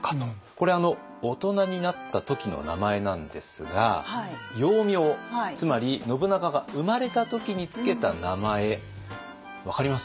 これは大人になった時の名前なんですが幼名つまり信長が生まれた時に付けた名前分かります？